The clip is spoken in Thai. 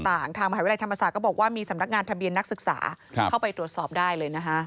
ทางมหาวิทยาลัยธรรมศาสตร์ก็บอกว่ามีสำนักงานทะเบียนนักศึกษาเข้าไปตรวจสอบได้เลยนะคะ